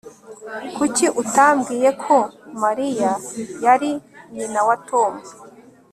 kuki utambwiye ko mariya yari nyina wa tom